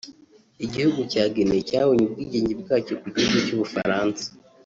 Igihugu cya Guinea cyabonye ubwigenge bwacyo ku gihugu cy’u Bufaransa